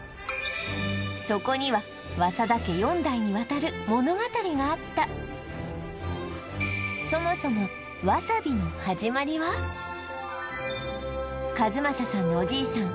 そこには早田家４代にわたる物語があったそもそもわさびの和正さんのおじいさん